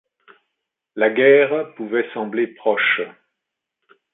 La guerre pouvait sembler proche.